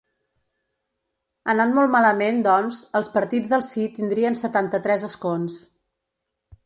Anant molt malament, doncs, els partits del sí tindrien setanta-tres escons.